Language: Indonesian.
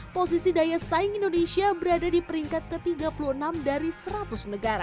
posisi daya saing indonesia berada di peringkat ke tiga puluh enam dari seratus negara